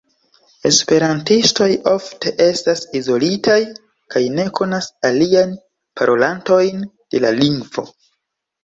Esperantistoj ofte estas izolitaj kaj ne konas aliajn parolantojn de la lingvo.